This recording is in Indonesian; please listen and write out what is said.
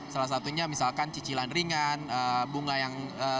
salah satunya misalkan cicilan ringan bunga yang